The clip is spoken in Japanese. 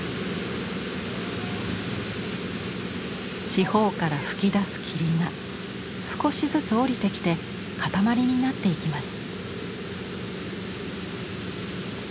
四方から噴き出す霧が少しずつ降りてきてかたまりになっていきます。